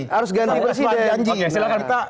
harus ganti besi deh